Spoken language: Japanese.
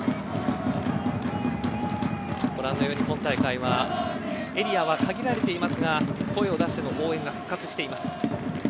ご覧のように今大会はエリアは限られていますが声を出しての応援が復活しています。